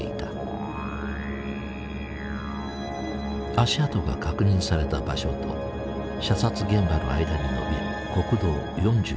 足跡が確認された場所と射殺現場の間に延びる国道４４号線。